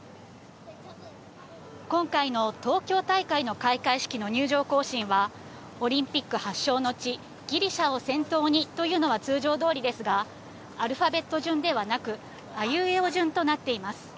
今回の東京大会の開会式の入場行進は、オリンピック発祥の地、ギリシャを先頭にというのは通常どおりですが、アルファベット順ではなく、あいうえお順となっています。